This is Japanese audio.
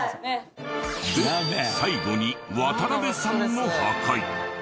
で最後に渡邉さんも破壊。